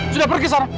sudah pergi sana